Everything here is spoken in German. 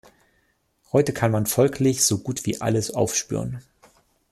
Heute kann man folglich so gut wie alles aufspüren.